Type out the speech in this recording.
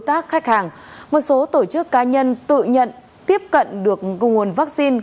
và nâng mức xử phạt để đủ sức gian đe